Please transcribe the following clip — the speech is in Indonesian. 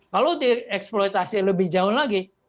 kalau dieksploitasi lebih jauh lagi